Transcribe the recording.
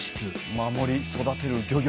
「守り育てる漁業」。